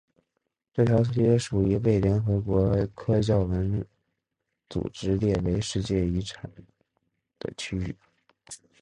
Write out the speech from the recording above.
这条街属于被联合国教科文组织列为世界遗产的区域。